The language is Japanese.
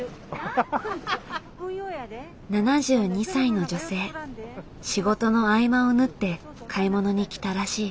７２歳の女性仕事の合間を縫って買い物に来たらしい。